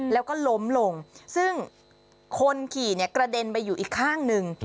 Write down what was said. แล้วก็ล้มลงซึ่งคนขี่เนี่ยกระเด็นไปอยู่อีกข้างหนึ่ง